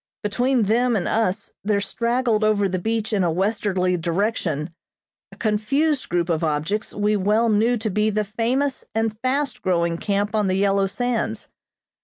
Between them and us there straggled over the beach in a westerly direction, a confused group of objects we well knew to be the famous and fast growing camp on the yellow sands.